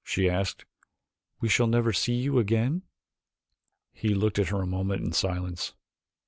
she asked. "We shall never see you again?" He looked at her a moment in silence.